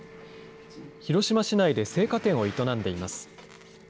広島市内で生花店を営んでいます。